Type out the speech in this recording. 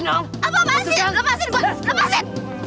apa masih lepasin gue lepasin